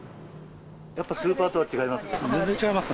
やっぱスーパーとは違います？